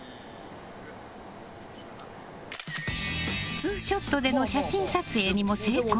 ツーショットでの写真撮影にも成功。